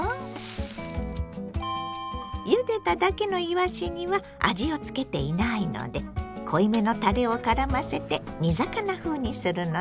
ゆでただけのいわしには味をつけていないので濃いめのたれをからませて煮魚風にするのよ。